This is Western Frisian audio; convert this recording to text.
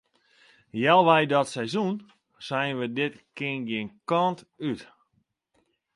Healwei dat seizoen seinen we dit kin gjin kant út.